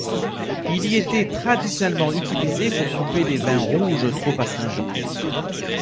Il y était traditionnellement utilisé pour couper les vins rouges trop astringents.